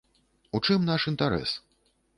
У чым наш інтарэс?